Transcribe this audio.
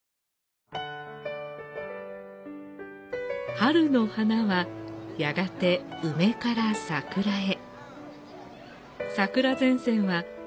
春の花はやがて梅から桜へ。